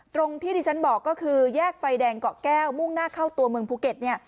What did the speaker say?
ตรงที่ที่ฉันบอกก็คือแยกไฟแดงเกาะแก้วมุ่งหน้าเข้าตัวเมืองภูเก็ตเนี่ย